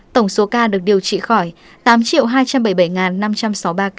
tổng số ca được điều trị khỏi tám hai trăm bảy mươi bảy năm trăm sáu mươi ba ca